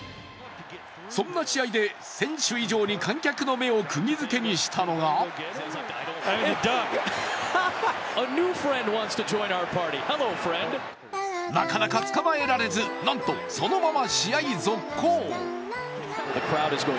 そんな試合で選手以上に観客の目をくぎづけにしたのはなかなか捕まえられずなんとそのまま試合続行。